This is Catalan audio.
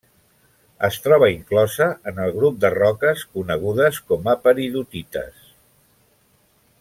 Es troba inclosa en el grup de roques conegudes com a peridotites.